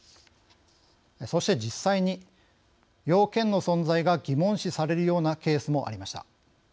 そして実際に要件の存在が疑問視されるようなケースもありました。